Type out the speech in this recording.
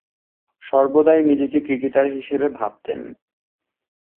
সর্বদাই নিজেকে ক্রিকেটার হিসেবে ভাবতেন।